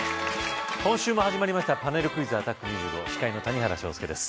今週も始まりましたパネルクイズアタ司会の谷原章介です